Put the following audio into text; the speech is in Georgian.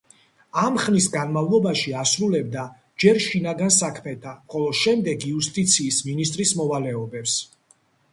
ამ ხნის განმავლობაში ასრულებდა ჯერ შინაგან საქმეთა, ხოლო შემდეგ იუსტიციის მინისტრის მოვალეობებს.